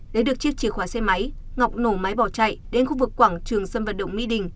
lấy được chiếc chìa khóa xe máy ngọc nổ máy bỏ chạy đến khu vực quảng trường sân vận động mỹ đình